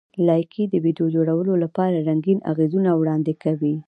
لایکي د ویډیو جوړولو لپاره رنګین اغېزونه وړاندې کوي.